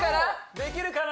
できるかな？